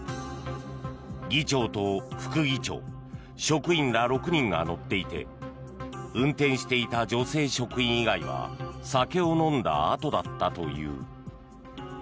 議長と副議長、職員ら６人が乗っていて運転していた女性職員以外は酒を飲んだあとだったという。